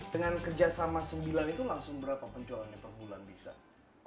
dengan kerjasama sembilan itu langsung berapa penjualannya per bulan bisa